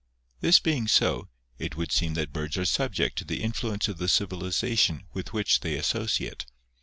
This being so, it would seem that . birds are subject to the influence of the civilisation with which they associate.